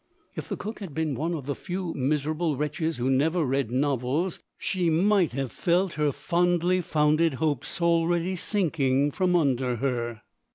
If the cook had been one of the few miserable wretches who never read novels, she might have felt her fondly founded hopes already sinking from under her.